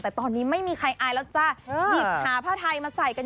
แต่ตอนนี้ไม่มีใครอายแล้วจ้ะหยิบหาผ้าไทยมาใส่กัน